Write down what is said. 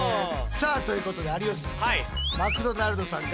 さあということで有吉さん